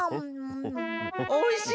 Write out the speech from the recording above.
おいしい？